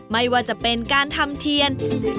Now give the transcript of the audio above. ไม่ว่าจะเป็นการทำเทียน